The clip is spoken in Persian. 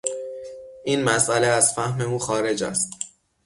این مسئله از فهم او خارج است.